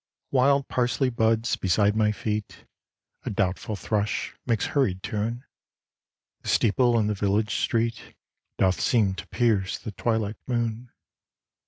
Wild parsley buds beside my feet, A doubtful thrush makes hurried tune, The steeple in the village street Doth seem to pierce the twilight moon.